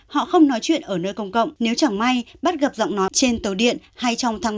họ không nói chuyện ở nơi công cộng nếu chẳng may bắt gặp giọng nói trên tàu điện hay trong tháng một